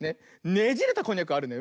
ねじれたこんにゃくあるね。